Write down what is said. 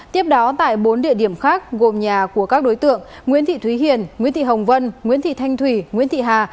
tiếp đó tại bốn địa điểm khác gồm nhà của các đối tượng nguyễn thị thúy hiền nguyễn thị hồng vân nguyễn thị thanh thủy nguyễn thị hà